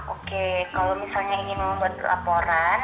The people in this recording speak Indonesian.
oke kalau misalnya ingin membuat laporan